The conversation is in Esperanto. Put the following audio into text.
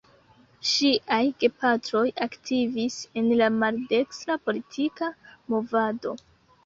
Ŝiaj gepatroj aktivis en la maldekstra politika movado.